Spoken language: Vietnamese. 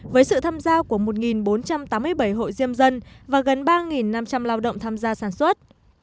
với sự tham gia của một bốn trăm tám mươi bảy hội diêm dân và gần ba năm trăm linh lao động tham gia sản xuất